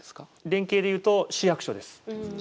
連携で言うと、市役所です。